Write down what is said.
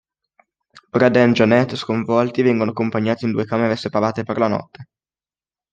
Brad and Janet, sconvolti, vengono accompagnati in due camera separate per la notte.